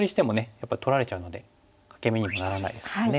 やっぱり取られちゃうので欠け眼にもならないですからね。